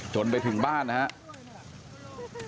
จนไปถึงบ้านนะครับ